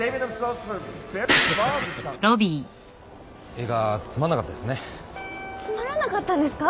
映画つまんなかったですね。